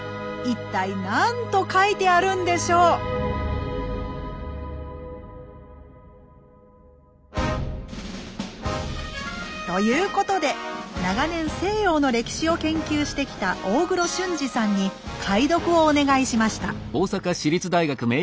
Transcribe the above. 一体何と書いてあるんでしょう？ということで長年西洋の歴史を研究してきた大黒俊二さんに解読をお願いしました。